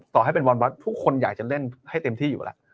ต่อให้เป็นบอลวัดทุกคนอยากจะเล่นให้เต็มที่อยู่แล้ว